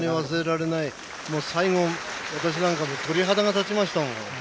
最後、私なんかも鳥肌が立ちましたもん。